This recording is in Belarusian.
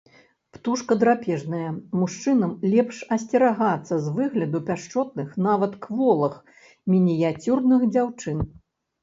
Птушка драпежная, мужчынам лепш асцерагацца з выгляду пяшчотных, нават кволых мініяцюрных дзяўчын.